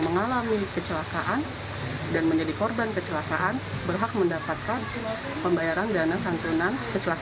mengalami kecelakaan dan menjadi korban kecelakaan berhak mendapatkan pembayaran dana santunan kecelakaan